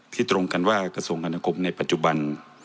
ตรงกันว่ากระทรวงการณคมในปัจจุบัน